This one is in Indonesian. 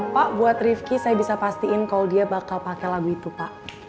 pak buat rifki saya bisa pastiin kalau dia bakal pakai lagu itu pak